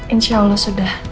insya allah sudah